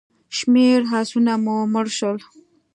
شمېر آسونه مو مړه شول.